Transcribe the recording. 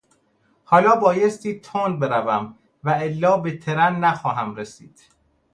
حالا بایستی تند بروم و الا به ترن نخواهم رسید.